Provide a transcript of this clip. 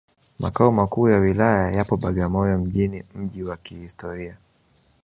Makao Makuu ya Wilaya yapo Bagamoyo mjini mji wa kihistoria